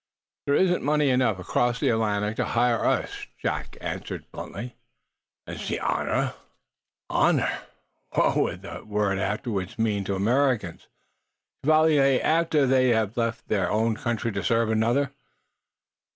"There isn't money enough across the Atlantic to hire us," Jack answered, bluntly. "And ze honneur " "Honor? What would that word afterwards mean to Americans, Chevalier, after they had left their own country to serve another?"